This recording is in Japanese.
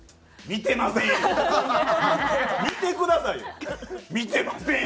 見てませんやん！